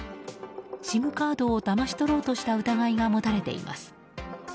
ＳＩＭカードをだまし取ろうとした疑いが持たれています。